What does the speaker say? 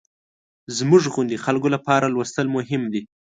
زموږ غوندې خلکو لپاره لوستل مهم دي.